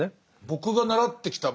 僕が習ってきた